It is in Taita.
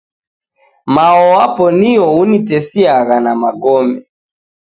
Mao wapo nio unitesiagha na magome